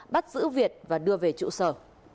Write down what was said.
bắt giữ việt và đưa về trụ sở